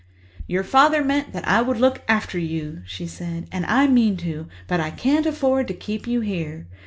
"Your father meant that I would look after you," she said, "and I mean to, but I can't afford to keep you here.